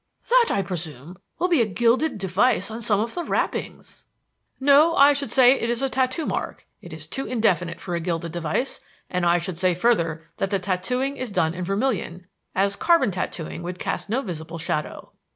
That, I presume, will be a gilded device on some of the wrappings." "No; I should say it is a tattoo mark. It is too indefinite for a gilded device. And I should say further that the tattooing is done in vermilion, as carbon tattooing could cast no visible shadow."